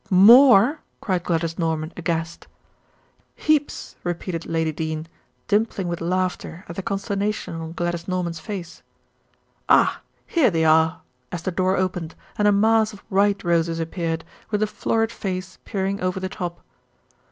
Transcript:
"More?" cried Gladys Norman aghast. "Heaps," repeated Lady Dene, dimpling with laughter at the consternation on Gladys Norman's face. "Ah! here they are," as the door opened and a mass of white roses appeared, with a florid face peering over the top.